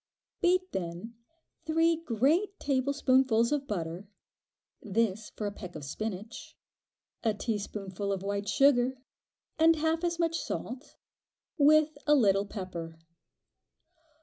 Beat then three great tablespoonfuls of butter (this for a peck of spinach), a teaspoonful of white sugar, and half as much salt, with a little pepper.